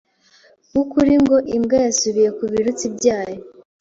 w’ukuri ngo imbwa yasubiye kubirutsi byayo